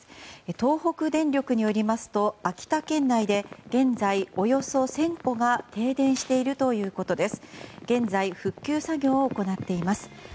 東北電力によりますと秋田県内で現在、およそ１０００戸が停電しているということです。